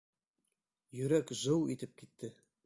Йөрәк жыу итеп китте.